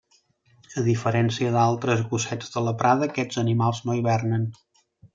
A diferència d'altres gossets de la prada, aquests animals no hibernen.